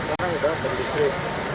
sekarang sudah beristrik